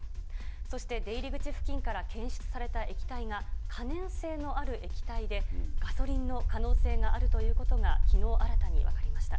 そして出入り口付近から検出された液体が可燃性のある液体で、ガソリンの可能性があるということがきのう、新たに分かりました。